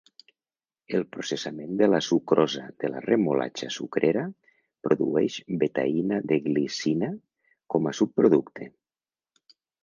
El processament de la sucrosa de la remolatxa sucrera produeix betaïna de glicina com a subproducte.